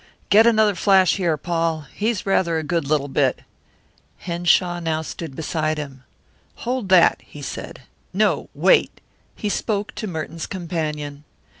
"Get another flash here, Paul. He's rather a good little bit." Henshaw now stood beside him. "Hold that," he said. "No, wait." He spoke to Merton's companion.